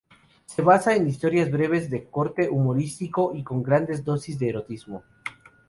Se basa en historias breves de corte humorístico y con grandes dosis de erotismo.